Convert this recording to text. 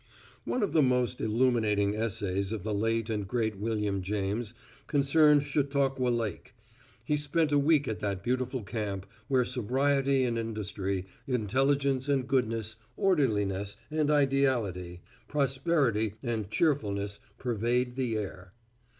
One of the most illuminating essays of the late and great William James concerned Chautauqua Lake. He spent a week at that beautiful camp, where sobriety and industry, intelligence and goodness, orderliness and ideality, prosperity and cheerfulness pervade the air.